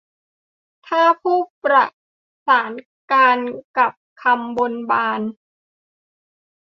ถ้าผู้ประศาสน์การณ์รับคำบนบาน